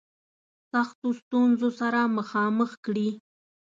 سختو ستونزو سره مخامخ کړي.